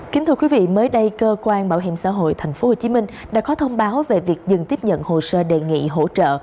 kính thưa quý vị mới đây cơ quan bảo hiểm xã hội tp hcm đã có thông báo về việc dừng tiếp nhận hồ sơ đề nghị hỗ trợ